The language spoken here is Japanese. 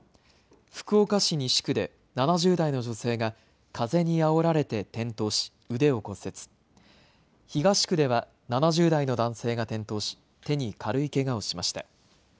福岡市西区で７０代の女性が風にあおられて転倒し腕を骨折し東区では７０代の男性が転倒し手に軽いけがをしました。